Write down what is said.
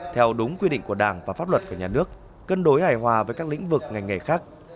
theo đúng quy định của đảng và pháp luật của nhà nước cân đối hài hòa với các lĩnh vực ngành nghề khác